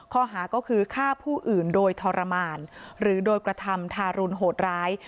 ข้อหาก็คือฆ่าผู้อื่นโดยทรมานหรือโดยกระทำทารุณโหดร้าย